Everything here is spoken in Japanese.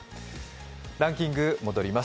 ランキング戻ります